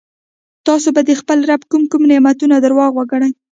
تاسو به د خپل رب کوم کوم نعمتونه درواغ وګڼئ.